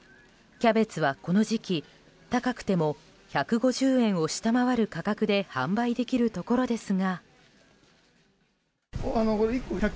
キャベツは、この時期高くても１５０円を下回る価格で販売できるところですが。